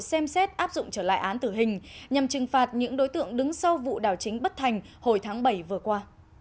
xem xét áp dụng trở lại án tử hình nhằm trừng phạt những đối tượng đứng sau vụ đảo chính bất thành hồi tháng bảy vừa qua